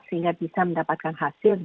sehingga bisa mendapatkan hasil